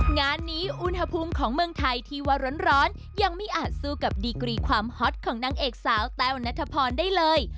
งานนี้อุณหภูมิของเมืองไทยที่ว่าร้อนยังไม่อาจสู้กับดีกรีความฮอตของนางเอกสาวแต้วนัทพรได้เลย